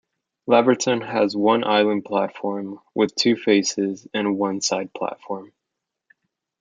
Laverton has one island platform, with two faces and one side platform.